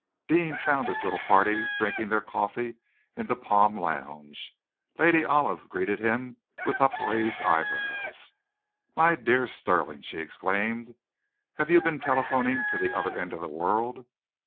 Deane found his little party drinking their coffee in the palm lounge. Lady Olive greeted him with upraised eyebrows. "My dear Stirling!" she exclaimed. "Have you been telephoning to the other end of the world?"